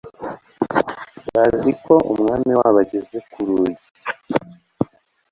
Bazi ko Umwami wabo ageze ku rugi,